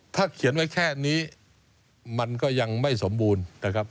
ถ้าเขียนไว้แค่นี้มันก็ยังไม่สมบูรณ์นะครับ